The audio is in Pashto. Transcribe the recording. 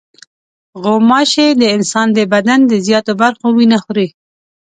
غوماشې د انسان د بدن د زیاتو برخو وینه خوري.